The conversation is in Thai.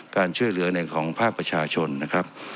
การช่วยเหลือในของภาคประชาชนนะครับ